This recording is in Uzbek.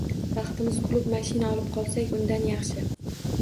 Baxtimiz kulib, mashina olib qolsak, undan yaxshi